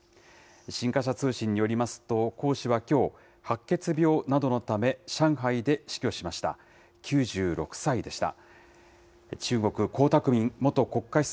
新華社通信によりますと、江氏はきょう、白血病などのため、上海で死去しました。